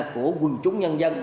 của quân chúng nhân dân